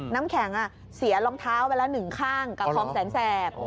น้ำแข็งเสียรองเท้าไปแล้วหนึ่งข้างกับคลองแสนแสบ